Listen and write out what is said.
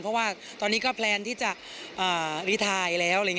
เพราะว่าตอนนี้ก็แพลนที่จะรีไทน์แล้ว